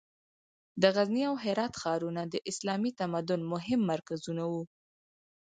د غزني او هرات ښارونه د اسلامي تمدن مهم مرکزونه وو.